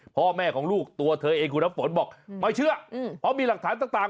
พ่อแม่ของลูกตัวเธอเองคุณน้ำฝนบอกไม่เชื่อเพราะมีหลักฐานต่าง